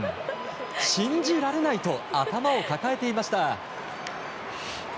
信じられないと頭を抱えていました。